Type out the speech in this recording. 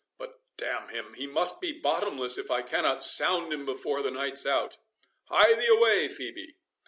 —But d—n him, he must be bottomless if I cannot sound him before the night's out.—Hie thee away, Phœbe."